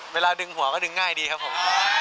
เวลาดึงหัวก็ดึงง่ายดีครับผม